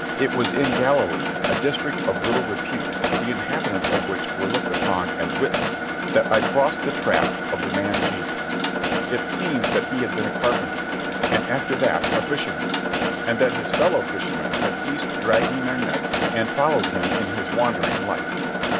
It was in Galilee, a district of little repute, the inhabitants of which were looked upon as witless, that I crossed the track of the man Jesus. It seems that he had been a carpenter, and after that a fisherman, and that his fellow fishermen had ceased dragging their nets and followed him in his wandering life.